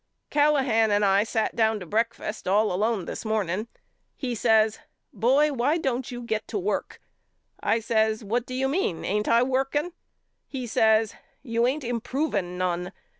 Calla han and I sat down to breakfast all alone this morning. He says Boy why don't you get to work 4 ? I says What do you mean? Ain't I working? He says You ain't improving none.